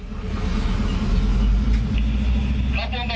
รับทรงประทานสี่สิบหกขอ